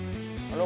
itu benar itu